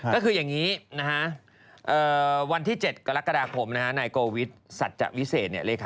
ก็คืออย่างนี้นะฮะวันที่๗กรกฎาคมในโกวิทธิ์สัจวิเศษเนี่ย